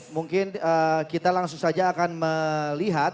mungkin kita langsung saja akan melihat